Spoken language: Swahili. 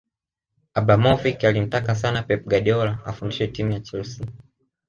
Abramovic alimtaka sana Pep Guardiola afundishe timu ya chelsea